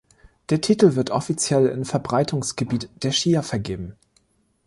Der Titel wird offiziell im Verbreitungsgebiet der Schia vergeben.